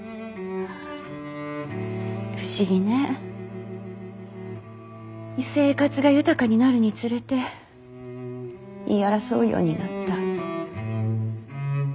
不思議ね生活が豊かになるにつれて言い争うようになった。